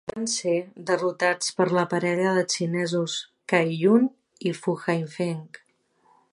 Van ser derrotats per la parella de xinesos, Cai Yun i Fu Haifeng.